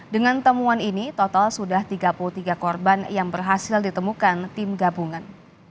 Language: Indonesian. dengan temuan ini total sudah tiga puluh tiga korban yang berhasil ditemukan tim gabungan